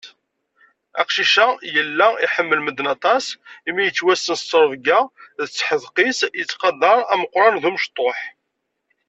Aqcic-a, yella iḥemmel medden aṭaṣ, imi yettwassen s terbiyya d teḥdeq-is, yettqadaṛ ameqqṛan d umectuḥ.